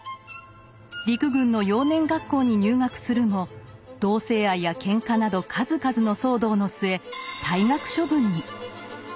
陸軍の幼年学校に入学するも同性愛やけんかなど数々の騒動の末退学処分に。